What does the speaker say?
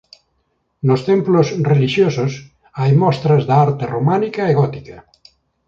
Nos templos relixiosos hai mostras da arte románica e gótica.